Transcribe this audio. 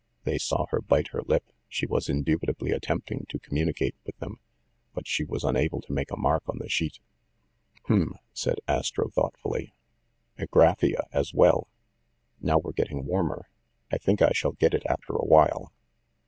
They saw her bite her lip ‚ÄĒ she was indubitably at tempting to communicate with them ‚ÄĒ but she was un able to make a mark on the sheet. "H'm!" said Astro thoughtfully. "Agraphia, as well. Now we're getting warmer. I think I shall get it after a while."